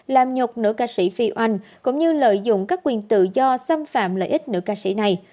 làm nhột nữ ca sĩ phi oanh cũng như lợi dụng các quyền tự do xâm phạm lợi ích nữ ca sĩ này